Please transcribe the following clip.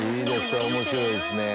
面白いですね。